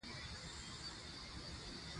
"تذکرةالاولیاء" په هلمند کښي پيدا سو.